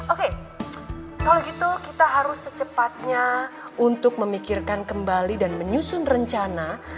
oke kalau gitu kita harus secepatnya untuk memikirkan kembali dan menyusun rencana